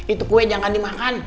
itu kue jangan dimakan